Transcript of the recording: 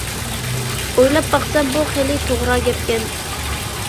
ئويلاپ باقسام بۇ خېلى توغرا گەپكەن.